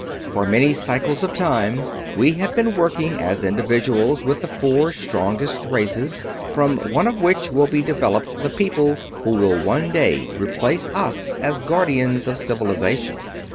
"For many cycles of time we have been working as individuals with the four strongest races, from one of which will be developed the people who will one day replace us as Guardians of Civilization.